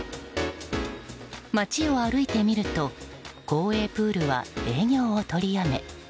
町を歩いてみると公営プールは営業を取りやめ